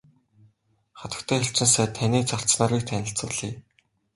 Хатагтай элчин сайд таны зарц нарыг танилцуулъя.